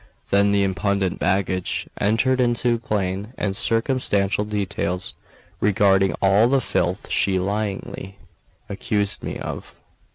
Then the impudent baggage entered into plain and circumstantial details regarding all the filth she lyingly accused me of.